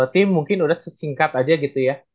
tim mungkin udah sesingkat aja gitu ya